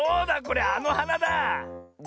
これあのはなだあ。